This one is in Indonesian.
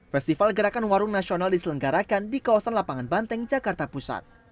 festival gerakan warung nasional diselenggarakan di kawasan lapangan banteng jakarta pusat